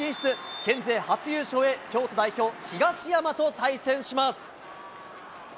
県勢初優勝へ、京都代表、東山と対戦します。